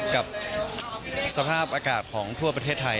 กับสภาพอากาศของทั่วประเทศไทย